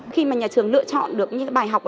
khi mà nhà trường lựa chọn được những cái bài học